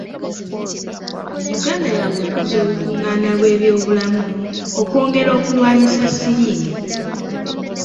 Uganda yaakutuuza olukungaana lw’ebyobulamu okwongera okulwanyisa Siriimu.